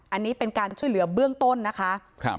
อันนี้เป็นการช่วยเหลือเบื้องต้นนะคะ